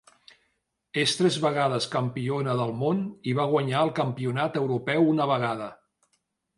És tres vegades campiona del món i va guanyar el campionat europeu una vegada.